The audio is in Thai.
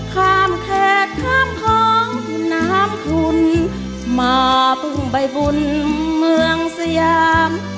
ข้ามแขกข้ามท้องน้ำคุณมาพึ่งใบบุญเมืองสยาม